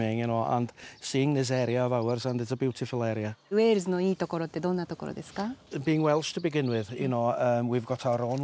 ウェールズのいいところってどんなところですか？